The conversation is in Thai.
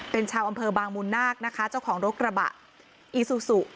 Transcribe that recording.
เป็นชาวอำเภอบางมูลนาคนะคะเจ้าของรถกระบะอีซูซู